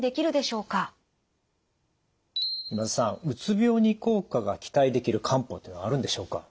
うつ病に効果が期待できる漢方というのはあるんでしょうか？